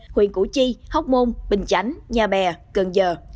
huyện củ chi hóc môn bình chánh nhà bè cần giờ